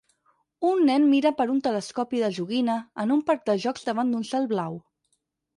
Un nen mira per un telescopi de joguina en un parc de jocs davant d'un cel blau.